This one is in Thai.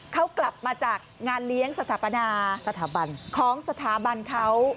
เขากลับมาจากงานเลี้ยงสถาปนาสถาบันของสถาบันเขา